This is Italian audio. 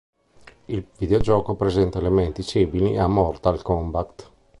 Il videogioco presenta elementi simili a "Mortal Kombat".